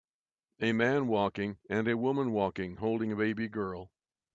a man walking and a woman walking holding a baby girl